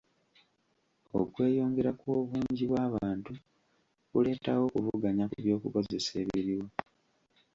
Okweyongera kw'obungi bw'abantu kuleetawo okuvuganya ku by'okukozesa ebiriwo.